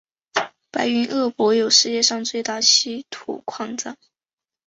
白云鄂博有世界上最大稀土矿藏。